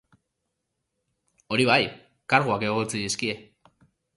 Hori bai, karguak egotzi dizkie.